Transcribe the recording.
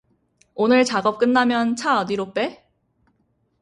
오늘 작업 끝나면 차 어디로 빼?